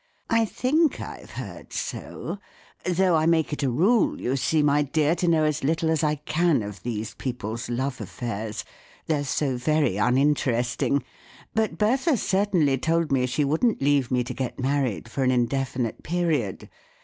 " I think I've heard so; though I make it a rule, you see, my dear, to know as little as I can of these people's love affairs. They're so very uninteresting. But Bertha certainly told me she wouldn't leave me to get married for an indefinite period.